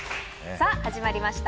さあ始まりました